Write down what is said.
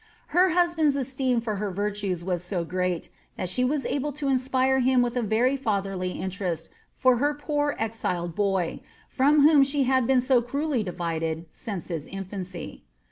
Her husband's esteem for lier virtues was so great, that she was able to inspire him with a very fatlieriy interest for her poor exiled boy, from whom she had been so cruelly divided since his infancy.